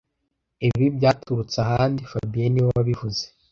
Ibi byaturutse ahandi fabien niwe wabivuze